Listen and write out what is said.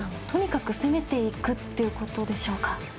とにかく攻めていくということでしょうか？